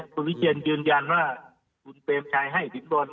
คุณวิเชียนยืนยันว่าคุณเปรมชัยให้สินบอล